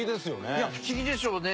いや不思議でしょうね。